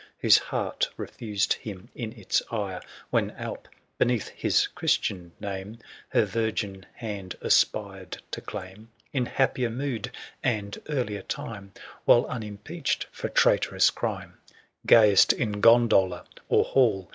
Whose heart refused him in its ire, ^liW When Alp, beneath his Christian name, ibiW 1^ Her virgin hand aspired to claim. In happier mood, and earlier time^ While unimpeached for traitorous crime, Gayest in gondola or hall.